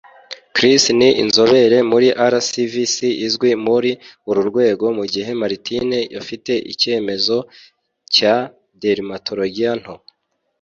Chris ni inzobere muri RCVS izwi muri uru rwego, mu gihe Martine afite icyemezo cya dermatologiya nto.